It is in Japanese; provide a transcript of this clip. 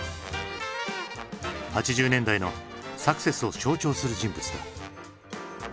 ８０年代のサクセスを象徴する人物だ。